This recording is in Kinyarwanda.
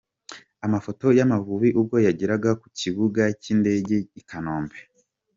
Amafoto y’Amavubi ubwo yageraga ku kibuga cy’indege i Kanombe .